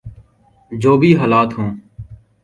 جو بھی حالات ہوں۔